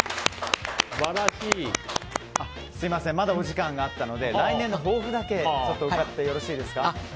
まだお時間があったので来年の抱負だけ伺ってよろしいですか。